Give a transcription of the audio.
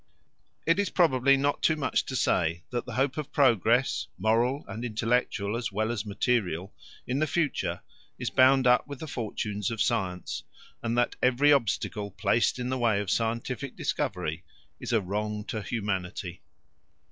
It is probably not too much to say that the hope of progress moral and intellectual as well as material in the future is bound up with the fortunes of science, and that every obstacle placed in the way of scientific discovery is a wrong to humanity.